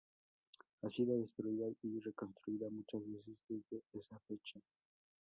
Ha sido destruida y reconstruida muchas veces desde esa fecha.